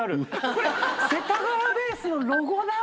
これ世田谷ベースのロゴだ。